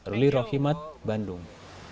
ruli rohimat bandung